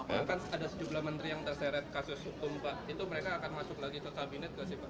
apakah kan ada sejumlah menteri yang terseret kasus hukum pak itu mereka akan masuk lagi sosabinet enggak sih pak